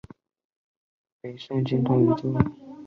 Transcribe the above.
另外寺内还有北宋经幢一座。